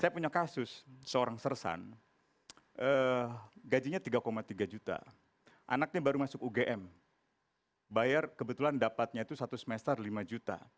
saya punya kasus seorang sersan gajinya tiga tiga juta anaknya baru masuk ugm bayar kebetulan dapatnya itu satu semester lima juta